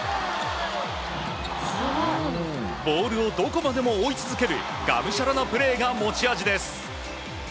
ボールをどこまでも追い続けるがむしゃらなプレーが持ち味です。